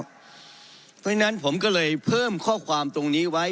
เพราะฉะนั้นผมก็เลยเพิ่มข้อความตรงนี้ไว้